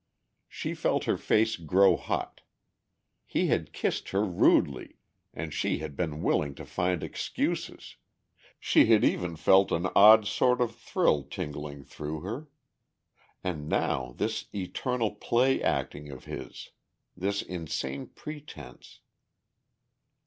She felt her face grow hot; he had kissed her rudely and she had been willing to find excuses, she had even felt as odd sort of thrill tingling through her. And now this eternal play acting of his, this insane pretence....